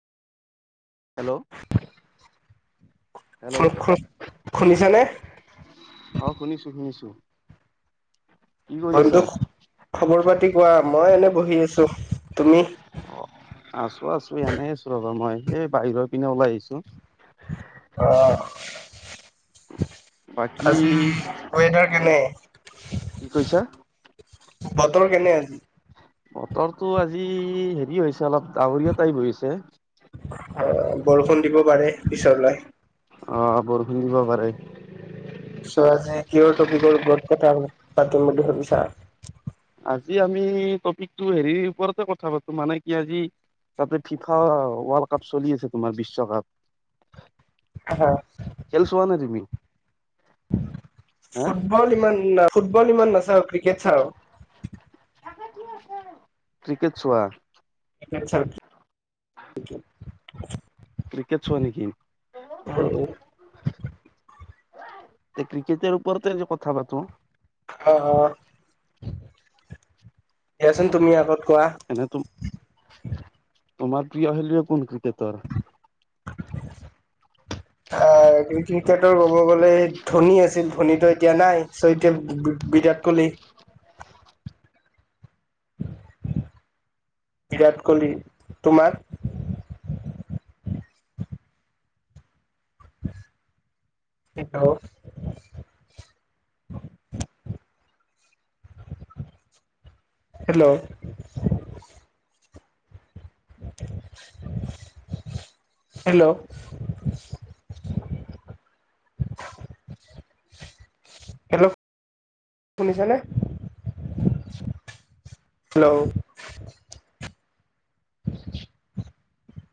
Hello hello শুনিছানে অ শুনিছো শুনিছো কি কৰিছা? বন্ধু খবৰ পাতি কোৱা মই এনে বহি আছো তুমি অ আছো আছো এনেই আছো ৰবা মই এ বাহিৰৰ পিনে ওলাই আহিছো অহ বাকী আজি ৱেডাৰ কেনে কি কৈছা? বতৰ কেনে আজি বতৰটো আজি হেৰি হৈছে অলপ ডাৱৰীয়া টাইপ হৈছে অ বৰষুণ দিব পাৰে পিছলৈ অ বৰষুণ দিব পা পাই চ আজি কিহৰ টপিকৰ ওপৰত কথা পাতিম বুলি ভাবিছা আজি আমি টপিকটো হেৰিৰ ওপৰতে কথা পাতো মানে কি আজি তাতে ফিফা ৱৰ্ল্ড কাপ চলি আছে তোমাৰ বিশ্বকাপ হা খেল চোৱা নে তুমি হা ফুটবল ইমান ন ফুট ফুটবল ইমান নাচাও ক্ৰিকেট চাও ক্ৰিকেট চোৱা ক্ৰিকেট চাও ক্ৰিকেট হয় ক্ৰিকেট চোৱা নেকি উম, তে ক্ৰিকেটৰ ওপৰতে আজি কথা পাতো অ অ অ দিয়াচোন তুমি আগত কোৱা এনে তোমাৰ প্ৰিয় খেলুৱৈ কোন কে তৰ এ ক্ৰিকেটৰ ক'ব গ'লে ধোনী আছিল ধোনীটো এতিয়া নাই চ বিৰাট কোহলি বিৰাট কোহলি তোমাৰ হেল্ল' হেল্ল' [unintelligible] হেল্ল' [unintelligible] হেল্ল' শুনিছা নে? হেল্ল'।